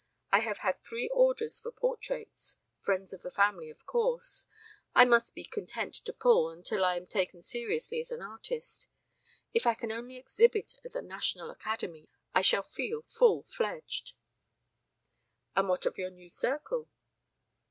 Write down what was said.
I have had three orders for portraits friends of the family, of course. I must be content with 'pull' until I am taken seriously as an artist. If I can only exhibit at the next Academy I shall feel full fledged." "And what of your new circle?"